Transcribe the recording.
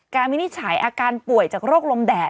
กาแมนิชัยอาการป่วยจากโรคลมแดะ